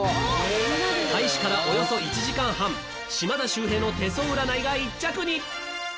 開始からおよそ１時間半『島田秀平の手相占い』が１着に。